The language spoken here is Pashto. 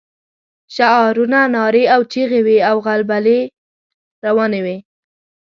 شعارونه، نارې او چيغې وې او غلبلې روانې وې.